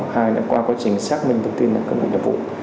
hai là qua quá trình xét minh thông tin về các nội địa phụ